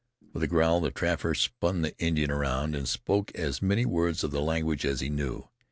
With a growl, the trapper spun the Indian round, and spoke as many words of the language as he knew.